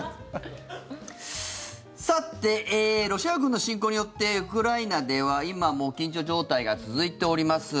さてロシア軍の侵攻によってウクライナでは今も緊張状態が続いております。